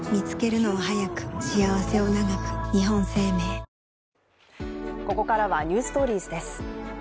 そこの含み損がここからは「ｎｅｗｓｔｏｒｉｅｓ」です。